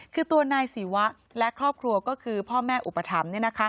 คือตัวนายศิวะและครอบครัวก็คือพ่อแม่อุปถัมภ์